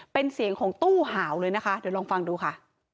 เป็นเสียงของตู้หาวเลยนะคะเดี๋ยวลองฟังดูค่ะ